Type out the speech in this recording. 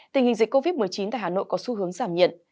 tình hình dịch covid một mươi chín tại hà nội có xu hướng giảm nhiệt